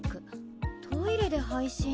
トイレで配信？